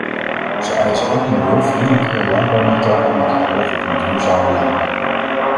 Ze eisen ook milieuvriendelijkere landbouwmethoden met het oog op een duurzame landbouw.